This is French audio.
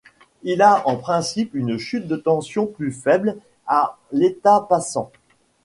Il a en principe une chute de tension plus faible à l’état passant.